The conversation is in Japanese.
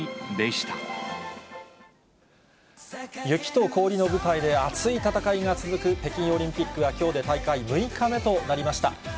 雪と氷の舞台で熱い戦いが続く北京オリンピックはきょうで大会６日目となりました。